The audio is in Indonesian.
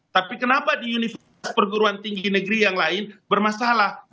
tapi kenapa di universitas perguruan tinggi negeri yang lain bermasalah